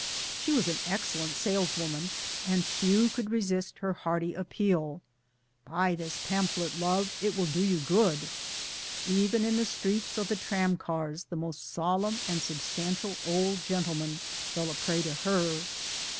She was an excellent saleswoman and few could resist her hearty appeal " Buy this pamphlet, love, it will do you good !" Even in the streets or the tramcars the most solemn and substantial old gentlemen fell 1 a prey to her.